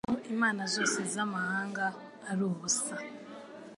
kuko imana zose z’amahanga ari ubusa